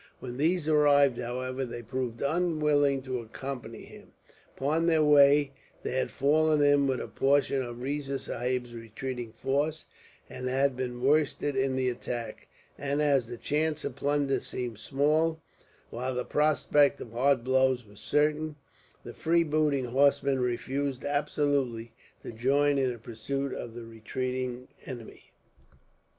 When these arrived, however, they proved unwilling to accompany him. Upon their way, they had fallen in with a portion of Riza Sahib's retreating force, and had been worsted in the attack; and as the chance of plunder seemed small, while the prospect of hard blows was certain, the free booting horsemen refused, absolutely, to join in the pursuit of the retreating enemy.